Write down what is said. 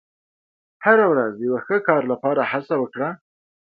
• هره ورځ د یو ښه کار لپاره هڅه وکړه.